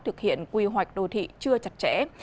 thực hiện quy hoạch đô thị chưa chặt chẽ